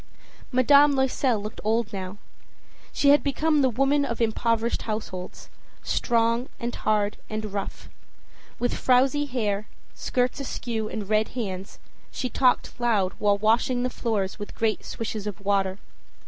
Madame Loisel looked old now. She had become the woman of impoverished households strong and hard and rough. With frowsy hair, skirts askew and red hands, she talked loud while washing the floor with great swishes of water.